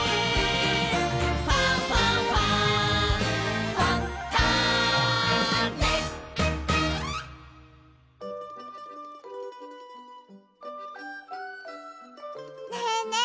「ファンファンファン」ねえねえ